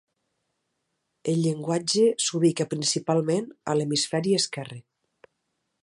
El llenguatge s'ubica principalment a l'hemisferi esquerre.